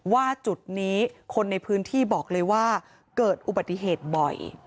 ว่าจุดนี้คนในพื้นที่บอกเลยว่าเกิดอุบัติเหตุบ่อย